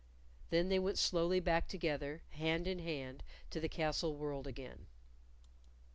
Then they went slowly back together, hand in hand, to the castle world again.